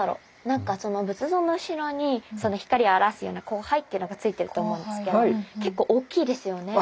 何か仏像の後ろに光を表すような光背っていうのがついてると思うんですけど結構大きいですよね。